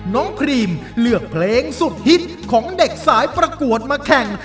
พรีมเลือกเพลงสุดฮิตของเด็กสายประกวดมาแข่ง